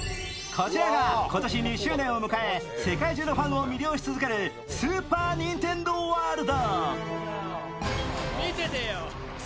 こちらが今年２周年を迎え、世界中のファンを魅了し続けるスーパー・ニンテンドー・ワールド。